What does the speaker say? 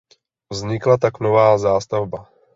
Vznikla tak nová zástavba.